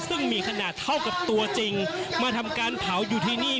ซึ่งมีขนาดเท่ากับตัวจริงมาทำการเผาอยู่ที่นี่